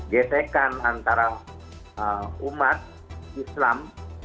getekan antara umat islam